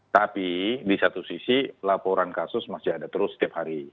tapi di satu sisi laporan kasus masih ada terus setiap hari